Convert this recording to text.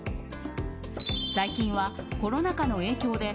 最近はコロナ禍の影響で